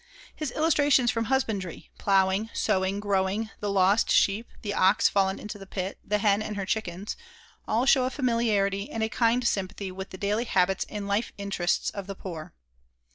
His illustrations from husbandry ploughing, sowing, growing, the lost sheep, the ox fallen into the pit, the hen and her chickens all show a familiarity and a kind sympathy with the daily habits and life interests of the poor.